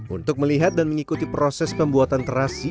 untuk melihat dan mengikuti proses pembuatan terasi